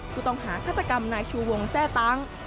ผู้ต้องหาฆาตกรรมนายชูวงแทร่ตั้ง